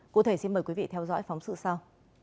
cụ thể xin mời quý vị theo dõi phóng sự sau